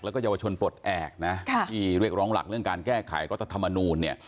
แล้วก็เยาวชนปลดแอบนะที่เรียกร้องหลักเรื่องการแก้ไขรัฐธรรมนูลเนี่ย